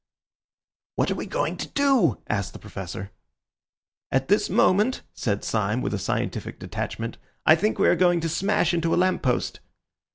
"What are we going to do?" asked the Professor. "At this moment," said Syme, with a scientific detachment, "I think we are going to smash into a lamppost."